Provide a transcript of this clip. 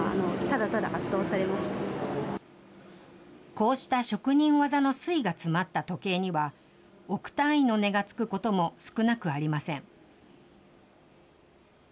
こうした職人技の粋が詰まった時計には、億単位の値が付くことも少なくありません。